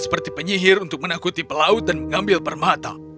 seperti penyihir untuk menakuti pelaut dan mengambil permata